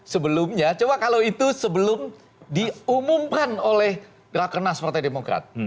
sebelumnya coba kalau itu sebelum diumumkan oleh rakernas partai demokrat